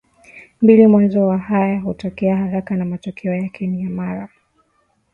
mbili mwanzo wa haya hutokea haraka na matokeo yake ni ya mara